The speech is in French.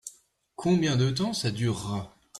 Combien de temps ça durera ?